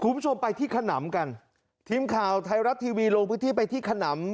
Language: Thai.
คุณผู้ชมไปที่ขนำกันทีมข่าวไทยรัฐทีวีลงพื้นที่ไปที่ขนำ